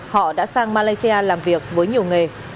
họ đã sang malaysia làm việc với nhiều nghề